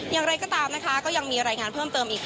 อย่างไรก็ตามนะคะก็ยังมีรายงานเพิ่มเติมอีก